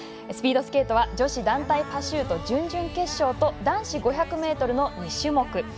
スピードスケートは女子団体パシュート準々決勝と男子５００ｍの２種目。